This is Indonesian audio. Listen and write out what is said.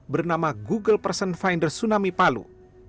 bernama google person finder tsunami palu